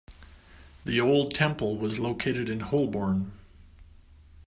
The 'Old Temple' was located in Holborn.